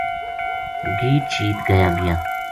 گید شید گایا گیا